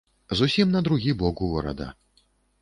Зусім на другі бок горада.